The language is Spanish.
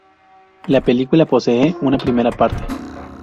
La película posee una primera parte.